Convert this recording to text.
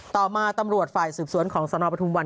ต่อมาตำรวจฝ่ายสืบสวนของสนปทุมวัน